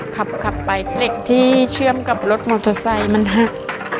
ขับไปเหล็กที่เชื่อมกับรถมอเตอร์ไซค์มันหัก